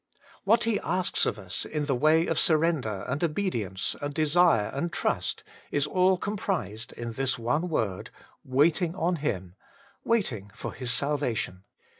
What He asks of us, in the way of surrender, and obedience, and desire, and trust, is all com prised in this one word : waiting on Him, wait ing for His salvation.